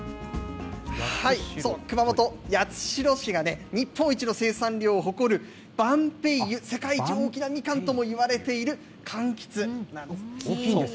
熊本・八代市が日本一の生産量を誇る、晩白柚、世界一大きなみかんともいわれているかんきつなんです。